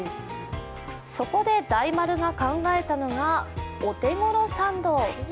そこで大丸が考えたのがお手頃サンド。